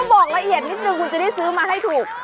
บอกละเอียดนิดนึงคุณจะได้ซื้อมาให้ถูก